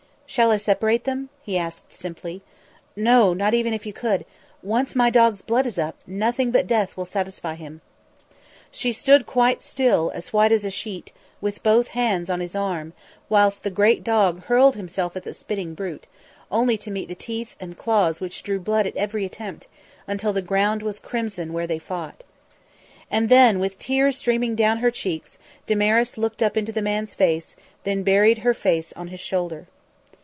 "Shall I separate them?" he asked simply. "No! Not even if you could. Once my dog's blood is up, nothing but death will satisfy him." She stood quite still, as white as a sheet, with both hands on his arm, whilst the great dog hurled himself at the spitting brute, only to meet the teeth and claws which drew blood at every attempt, until the ground was crimson where they fought. And then, with tears streaming down her cheeks, Damaris looked up into the man's face; then buried her face on his shoulder.